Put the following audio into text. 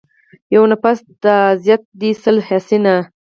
يو نٙفٙس د اذيت دې سل حسينه